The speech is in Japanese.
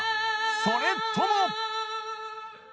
それとも？